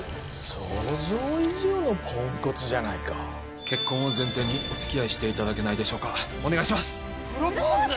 想像以上のポンコツじゃないか結婚を前提におつきあいしていただけないでしょうかお願いしますプロポーズ！？